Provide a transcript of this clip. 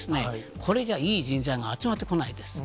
これじゃいい人材が集まってこないです。